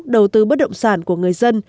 đầu tư bất động sản của người dân